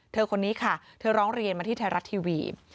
คนนี้ค่ะเธอร้องเรียนมาที่ไทยรัฐทีวี